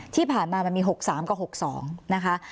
ที่ผ่านมามันมี๖๓กับ๖๒นะคะ